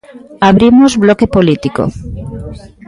Abrimos bloque político.